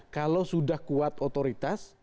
kalau sudah kuat otoritas